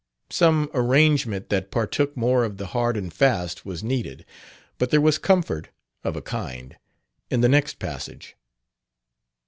Some arrangement that partook more of the hard and fast was needed. But there was comfort of a kind in the next passage.